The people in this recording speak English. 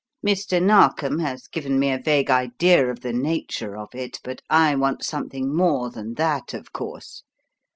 "Mr. Narkom has given me a vague idea of the nature of it, but I want something more than that, of course.